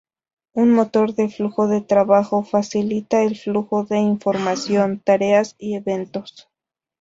Un motor de flujo de trabajo facilita el flujo de información, tareas y eventos.